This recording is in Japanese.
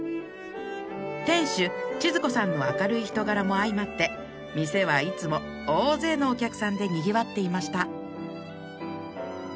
店主千鶴子さんの明るい人柄も相まって店はいつも大勢のお客さんでにぎわっていました